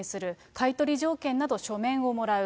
買い取り条件など書面をもらう。